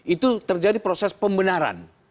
itu terjadi proses pembenaran